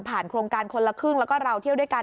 โครงการคนละครึ่งแล้วก็เราเที่ยวด้วยกัน